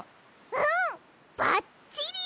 うんばっちり！